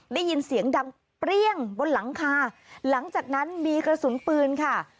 ได้ยินเสียงดังเปรี้ยงบนหลังคาหลังจากนั้นมีกระสุนปืนค่ะ